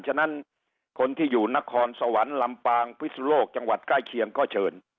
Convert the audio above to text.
ฉะนั้นคนที่อยู่นครสวรรค์ลำปางพิสุโลกจังหวัดใกล้เคียงก็เชิญ